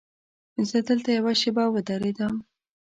زه دلته یوه شېبه ودرېدم.